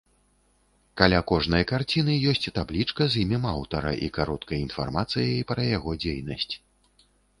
Каля кожнай карціны ёсць таблічка з імем аўтара і кароткай інфармацыяй пра яго дзейнасць.